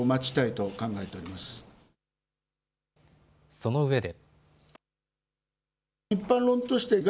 そのうえで。